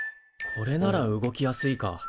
これなら動きやすいか。